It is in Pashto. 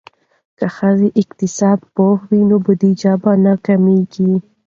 که ښځې اقتصاد پوهې وي نو بودیجه به نه کمیږي.